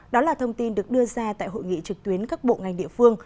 đó là thông tin được đưa ra tại hội nghị trực tuyến các bộ ngành địa phương